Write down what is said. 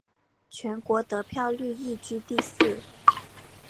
全国得票率亦居第四。